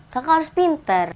kakak harus pinter